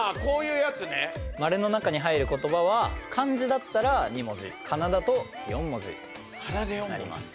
○の中に入る言葉は漢字だったら２文字かなだと４文字になります。